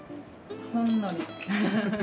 ほんのり。